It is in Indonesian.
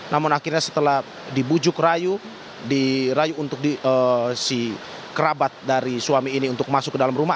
namun akhirnya setelah dibujuk rayu dirayu untuk si kerabat dari suami ini untuk masuk ke dalam rumah